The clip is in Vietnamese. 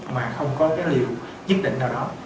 mà không có cái liệu dứt định nào đó